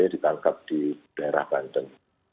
ditangkap di daerah banten